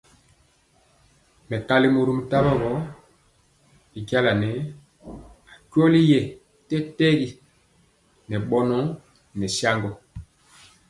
Mɛkali mɔrom tawo gɔ, y jaŋa nɛɛ akweli yeeya tɛtɛgi ŋɛ bɔnɔ nɛ saŋgɔ.